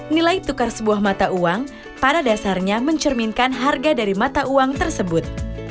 nilai tukar sebuah mata uang pada dasarnya mencerminkan harga dari mata uang tersebut